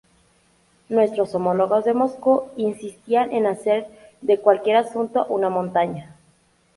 Nuestros homólogos de Moscú insistían en hacer de cualquier asunto, una montaña.